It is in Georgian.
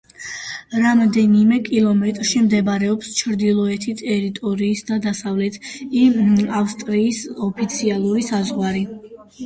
რამდენიმე კილომეტრში მდებარეობს ჩრდილოეთი ტერიტორიის და დასავლეთი ავსტრალიის ოფიციალური საზღვარი.